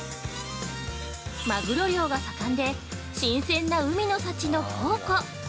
まぐろ漁が盛んで、新鮮な海の幸の宝庫！